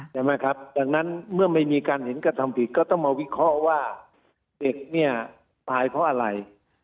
ใช่ไหมครับดังนั้นเมื่อไม่มีการเห็นกระทำผิดก็ต้องมาวิเคราะห์ว่าเด็กเนี่ยตายเพราะอะไร